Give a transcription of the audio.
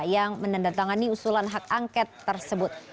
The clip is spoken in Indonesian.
yang menandatangani usulan hak angket tersebut